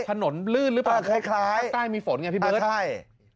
ถนนลื่นหรือเปล่าคล้ายใต้มีฝนไงพี่เบิร์ตใช่